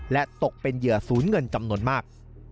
และตกเป็นเหยื่อศูนย์เงินจำนวนมาก